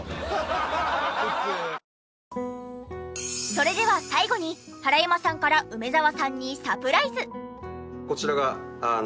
それでは最後に原山さんから梅沢さんにサプライズ！